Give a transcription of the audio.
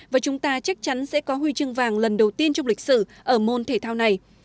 và chúng ta chắc chắn sẽ có huy chương vàng lần đầu tiên trong lịch sử ở môn thể thao này